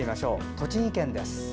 栃木県です。